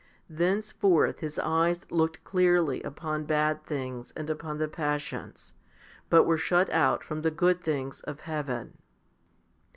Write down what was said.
1 Thenceforth his eyes looked clearly upon bad things and upon the passions, but were shut out from the good things of heaven.